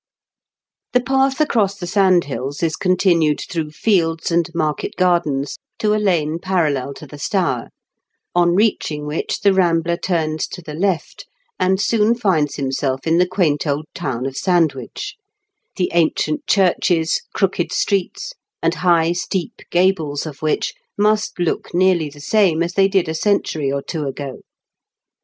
The path across the sand hills is continued through fields and market gardens to a lane parallel to the Stour, on reaching which the rambler turns to the left, and soon finds him self in the quaint old town of Sandwich, the ancient churches, crooked streets, and high steep gables of which must look nearly the same as they did a century or two ago.